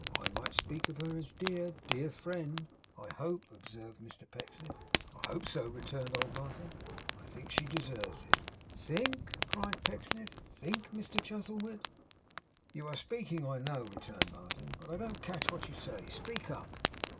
I might speak of her as a dear, dear friend, I hope?' observed Mr Pecksniff. 'I hope so,' returned old Martin. 'I think she deserves it.' 'Think!' cried Pecksniff, 'think, Mr Chuzzlewit!' 'You are speaking, I know,' returned Martin, 'but I don't catch what you say. Speak up!